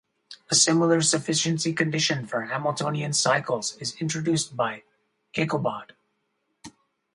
A similar sufficiency condition for Hamiltonian cycles is introduced by Kaykobad.